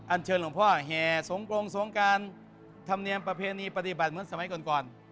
เชิญหลวงพ่อแห่สงกรงสงการธรรมเนียมประเพณีปฏิบัติเหมือนสมัยก่อน